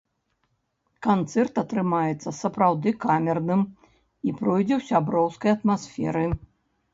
Канцэрт атрымаецца сапраўды камерным і пройдзе ў сяброўскай атмасферы.